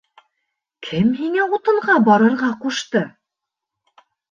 — Кем һиңә утынға барырға ҡушты?